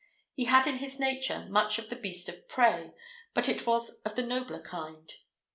He had in his nature much of the beast of prey, but it was of the nobler kind.